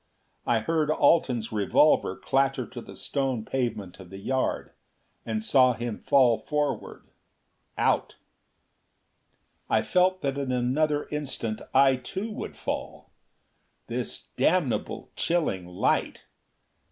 I heard Alten's revolver clatter to the stone pavement of the yard. And saw him fall forward out. I felt that in another instant I too would fall. This damnable, chilling light!